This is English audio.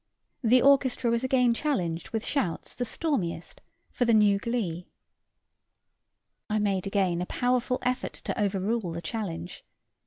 The orchestra was again challenged with shouts the stormiest for the new glee. I made again a powerful effort to overrule the challenge.